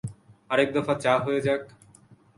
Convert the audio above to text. আরেক দফা চা হয়ে যাক।